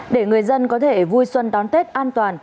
để người dân có thể vui xuân đón tết an toàn